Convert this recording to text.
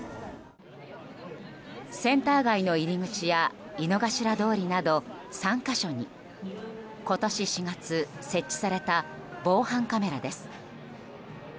センター街の入り口や井の頭通りなど３か所に、今年４月設置された防犯カメラです。